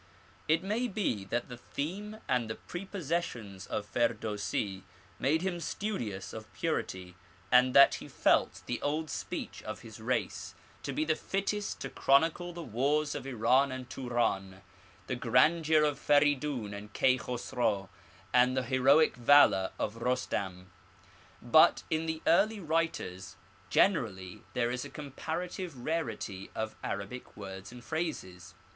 It may be that the theme and the prepossessions of Firdousi made him studious of purity, and that he felt the old speech of his race to be the fittest to chronicle the wars of Iran and Turan, the grandeur of Feridun and Kai Khosru, and the heroic valour of Rustam. But in the early writers generally there is a comparative rarity of Arabic words and phrases.